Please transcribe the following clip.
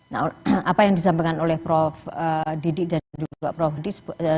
nah apa yang disampaikan oleh prof didik dan juga prof dis